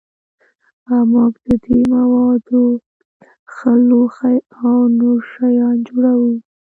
موږ د دې موادو څخه لوښي او نور شیان جوړوو.